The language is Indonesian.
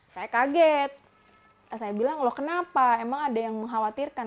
saya kaget saya bilang loh kenapa emang ada yang mengkhawatirkan